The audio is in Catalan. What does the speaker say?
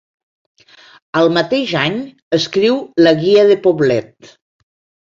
Al mateix any escriu la Guia de Poblet.